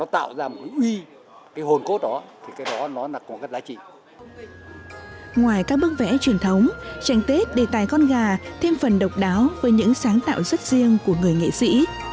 trành tết để tài con gà thêm phần độc đáo với những sáng tạo rất riêng của người nghệ sĩ